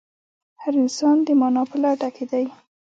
هر انسان د مانا په لټه کې دی.